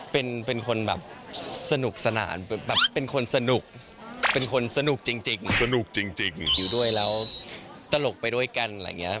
เป็นคนแบบสนุกสนาน